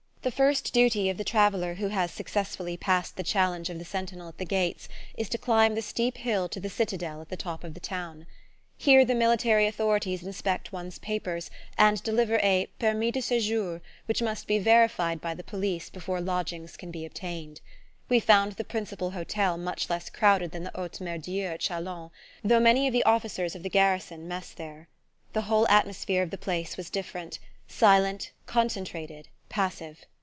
The first duty of the traveller who has successfully passed the challenge of the sentinel at the gates is to climb the steep hill to the citadel at the top of the town. Here the military authorities inspect one's papers, and deliver a "permis de sejour" which must be verified by the police before lodgings can be obtained. We found the principal hotel much less crowded than the Haute Mere Dieu at Chalons, though many of the officers of the garrison mess there. The whole atmosphere of the place was different: silent, concentrated, passive.